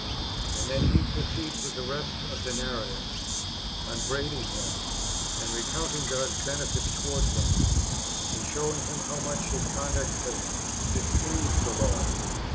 "^ And then he proceeds with the rest [of the narrative], upbraiding him, and recounting God's benefits towards him, and [showing him] how much his conduct had displeased the Lord.